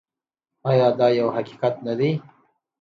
آیا دا یو حقیقت نه دی؟